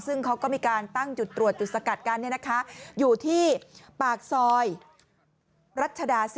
ซึ่งเขาก็มีการตั้งจุดตรวจจุดสกัดกันอยู่ที่ปากซอยรัชดา๔